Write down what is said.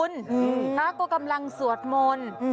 อืมพระก็กำลังสวดมนต์อืม